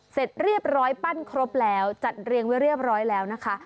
เสร็จเรียบร้อยปั้นครบแล้วจัดเรียงไว้เรียบร้อยแล้วนะคะ